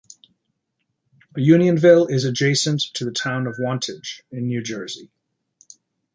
Unionville is adjacent to the Town of Wantage in New Jersey.